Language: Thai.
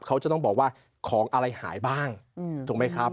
เขาจะต้องบอกว่าของอะไรหายบ้างถูกไหมครับ